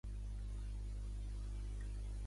Va fundar un Ballads club.